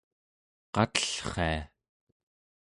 qatellria